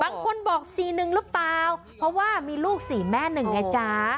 บางคนบอกสี่หนึ่งหรือเปล่าเพราะว่ามีลูกสี่แม่หนึ่งไงจ๊ะ